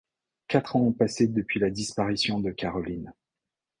Quatre ans ont passé depuis la disparition de Caroline.